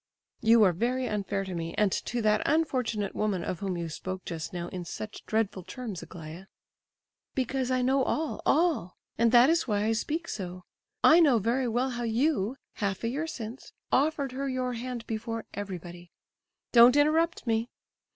"You are very unfair to me, and to that unfortunate woman of whom you spoke just now in such dreadful terms, Aglaya." "Because I know all, all—and that is why I speak so. I know very well how you—half a year since—offered her your hand before everybody. Don't interrupt me.